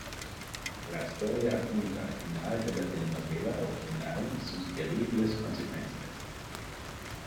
La historia apunta al final de la telenovela original y sus terribles consecuencias.